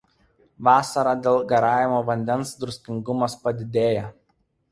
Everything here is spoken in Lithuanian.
Vasarą dėl garavimo vandens druskingumas padidėja.